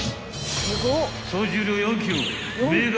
［総重量４ｋｇメガ！